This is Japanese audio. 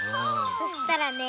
そしたらね